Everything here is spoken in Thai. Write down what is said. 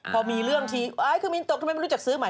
พอมีเรื่องทีเครื่องบินตกทำไมไม่รู้จักซื้อใหม่